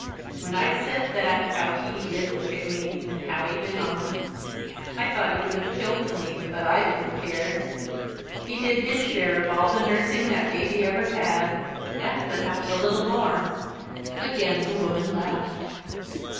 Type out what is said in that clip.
When I said that, how he did look at me, and how he went on! I thought he would have killed me but I didn't care. He did his share of all the nursing that baby ever had and perhaps a little more." Again the woman laughed.